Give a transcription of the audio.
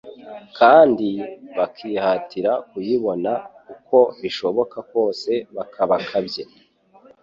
kandi "bakihatira kuyibona uko bishoboka kose bakabakabye"